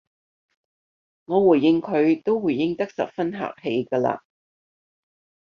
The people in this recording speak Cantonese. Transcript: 我回應佢都回應得十分客氣㗎喇